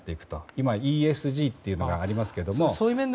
今、ＥＳＧというのがありますが。